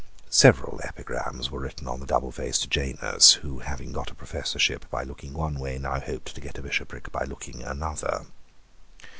Several epigrams were written on the doublefaced Janus, who, having got a professorship by looking one way, now hoped to get a bishopric by looking another.